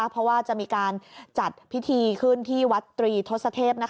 เพราะว่าจะมีการจัดพิธีขึ้นที่วัดตรีทศเทพ